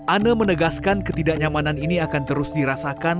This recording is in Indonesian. ane menegaskan ketidaknyamanan ini akan terus dirasakan